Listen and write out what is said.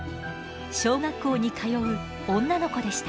小学校に通う女の子でした。